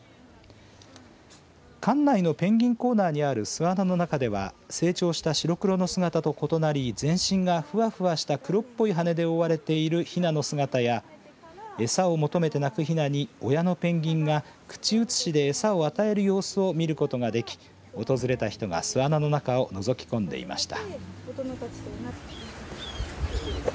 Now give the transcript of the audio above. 館内のペンギンコーナーにある巣穴の中では成長した白黒の姿と異なり全身が、ふわふわした黒っぽい羽で覆われているひなの姿や餌を求めて鳴くひなに親のペンギンが口移しで餌を与える様子を見ることができ訪れた人が巣穴の中をのぞき込んでいました。